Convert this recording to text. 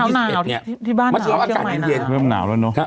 เมื่อเช้าอากาศเย็น